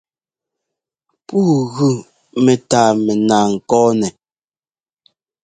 Pûu gʉ mɛ́tâa mɛnaa ŋkɔ̂nɛ.